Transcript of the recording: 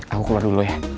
aku keluar dulu ya